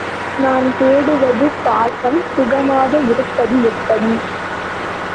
நான் தேடுவது பாசம்... சுகமாக இருப்பது எப்படி?